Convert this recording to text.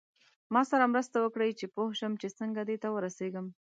ما سره مرسته وکړئ چې پوه شم چې څنګه دې ته ورسیږم.